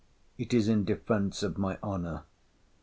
It is in defence of my honour.